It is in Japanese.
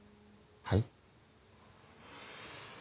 はい？